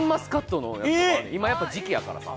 今やっぱ時期やからさ・